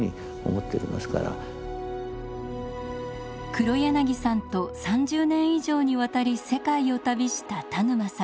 黒柳さんと３０年以上にわたり世界を旅した田沼さん。